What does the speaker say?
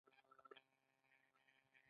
دا معمولا د با تجربه اشخاصو لخوا جوړیږي.